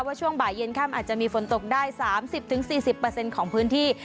ช่วงบ่ายเย็นค่ำอาจจะมีฝนตกได้๓๐๔๐ของพื้นที่